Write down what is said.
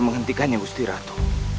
menghentikannya busti ratu